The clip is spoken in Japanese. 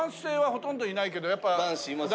男子いますよ。